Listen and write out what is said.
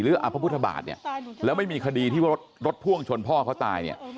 พระพุทธบาทเนี่ยแล้วไม่มีคดีที่ว่ารถพ่วงชนพ่อเขาตายเนี่ย